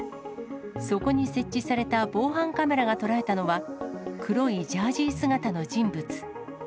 そこに設置された防犯カメラが捉えたのは、黒いジャージ姿の人物。